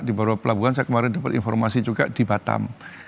di beberapa pelabuhan saya kemarin dapat informasi juga di batam